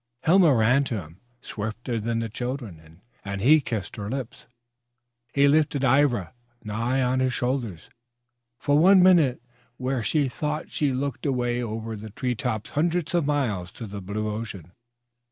Helma ran to him, swifter than the children, and he kissed her lips. He lifted Ivra nigh on his shoulder for one minute where she thought she looked away over the treetops hundreds of miles to the blue ocean.